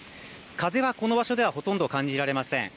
風はこの場所ではほとんど感じられません。